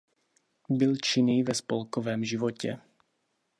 Byl činný ve spolkovém životě.